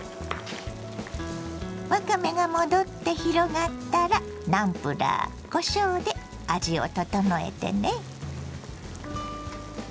わかめが戻って広がったらナムプラーこしょうで味を調えてね。